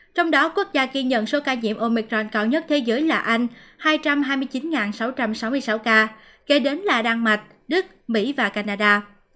trong đó quốc gia ghi nhận số ca nhiễm omicron cao nhất thế giới là anh hai trăm hai mươi chín sáu trăm sáu mươi sáu ca kế đến là đan mạch đức mỹ và canada